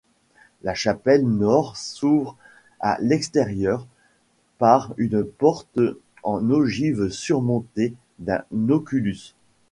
La chapelle nord s'ouvre à l'extérieur par une porte en ogive surmontée d'un oculus.